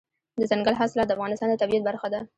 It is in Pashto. دځنګل حاصلات د افغانستان د طبیعت برخه ده.